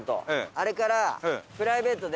あれから。